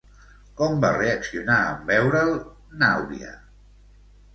Com va reaccionar en veure'l, n'Àuria?